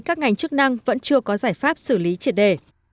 các ngành chức năng vẫn chưa có giải pháp xử lý triệt đề